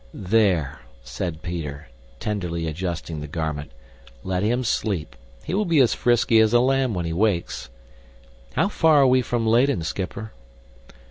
"There," said Peter, tenderly adjusting the garment, "let him sleep. He will be as frisky as a lamb when he wakes. How far are we from Leyden, schipper?"